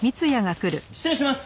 失礼します。